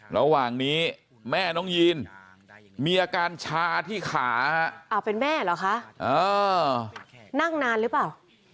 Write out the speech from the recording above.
ระหว่างนี้แม่น้องยีนมีอาการชาที่ขาเป็นแม่เหรอคะนั่งนานหรือเปล่า